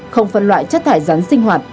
không phân loại chất thải rắn sinh hoạt